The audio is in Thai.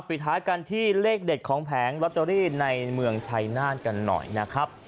ปริฐาคันที่เลขเด็ดของแผงในเมืองชายนาคต์กันหน่อยนะครับ